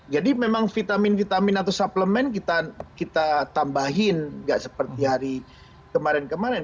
jadi memang vitamin vitamin atau suplemen kita tambahin gak seperti hari kemarin kemarin